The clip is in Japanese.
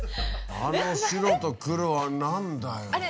あの白と黒は何だよ。